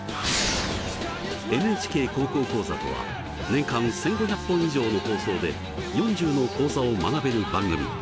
「ＮＨＫ高校講座」とは年間１，５００本以上の放送で４０の講座を学べる番組。